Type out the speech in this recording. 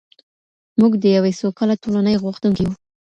موږ د یوې سوکاله ټولنې غوښتونکي یو.